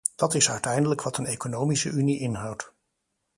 Dat is uiteindelijk wat een economische unie inhoudt.